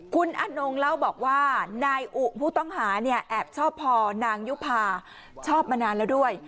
คุณอนงเล่าบอกว่านายอุผู้ต้องหาเนี่ยแอบชอบพอนางยุภาชอบมานานแล้วด้วย